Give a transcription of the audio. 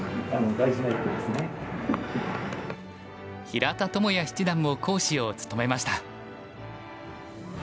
平田智也七段も講師を務めました。